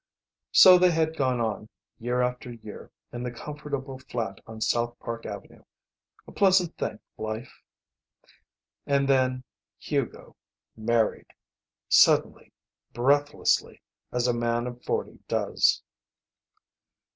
So they had gone on, year after year, in the comfortable flat on South Park Avenue. A pleasant thing, life. And then Hugo married, suddenly, breathlessly, as a man of forty does.